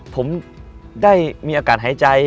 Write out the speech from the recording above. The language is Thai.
ผมได้มีอากาศหายใจ